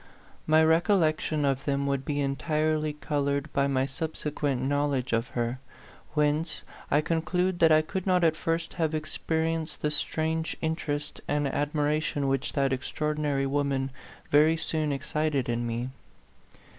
My rec ollection of them would be entirely colored by my subsequent knowledge of her ; whence I conclude that I could not at first have ex perienced the strange interest and admira tion which that extraordinary woman very soon excited in me.